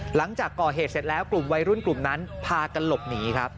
หลังจากก่อเหตุเสร็จแล้วกลุ่มวัยรุ่นกลุ่มนั้นพากันหลบหนีครับ